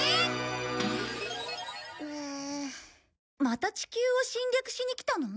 また地球を侵略しに来たの？